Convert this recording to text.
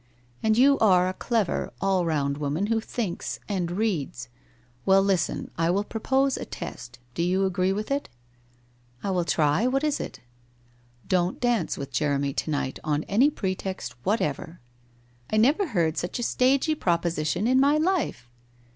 And you are a clever, all round woman who thinks and reads. Well, listen, I will propose a test — do you agree to it ?' 'I will try. What is it?' ' Don't dance with Jeremy to night on any pretext whatever.' ' I never heard such a stagey proposition in my life